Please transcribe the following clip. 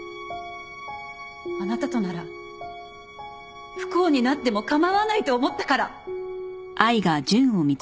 あなたとなら不幸になっても構わないと思ったから。